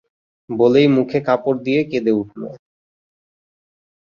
বলেই মুখে কাপড় দিয়ে কেঁদে উঠল।